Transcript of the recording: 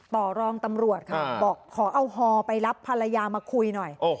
ต่อรองตำรวจค่ะบอกขอเอาฮอไปรับภรรยามาคุยหน่อย